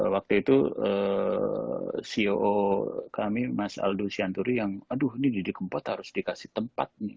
waktu itu ceo kami mas aldo sianturi yang aduh ini didi kempot harus dikasih tempat nih